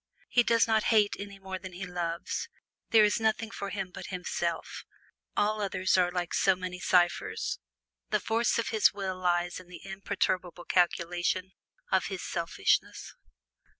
He does not hate any more than he loves; there is nothing for him but himself; all other things are so many ciphers. The force of his will lies in the imperturbable calculation of his selfishness.